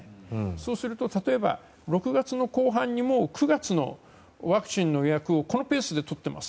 そうすると例えば６月後半に９月のワクチンの予約をこのペースでとってます。